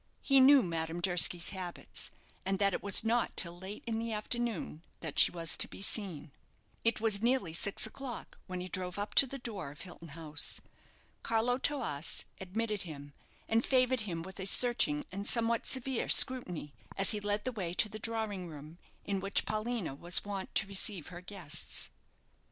He knew Madame Durski's habits, and that it was not till late in the afternoon that she was to be seen. It was nearly six o'clock when he drove up to the door of Hilton House. Carlo Toas admitted him, and favoured him with a searching and somewhat severe scrutiny, as he led the way to the drawing room in which Paulina was wont to receive her guests.